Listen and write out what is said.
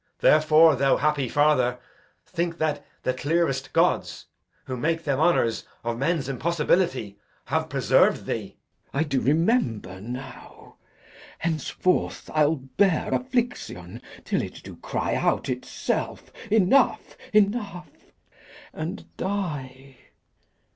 Therefore, thou happy father, Think that the clearest gods, who make them honours Of men's impossibility, have preserv'd thee. Glou. I do remember now. Henceforth I'll bear Affliction till it do cry out itself 'Enough, enough,' and die.